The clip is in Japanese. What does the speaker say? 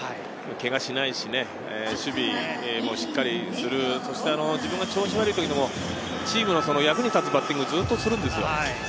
けがしないし、守備もしっかりする、そして自分が調子が悪い時もチームの役に立つバッティングをずっとするんですよ。